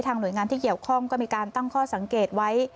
หน่วยงานที่เกี่ยวข้องก็มีการตั้งข้อสังเกตไว้